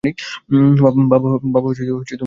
বাবা, তুমি ঠিক আছো তো?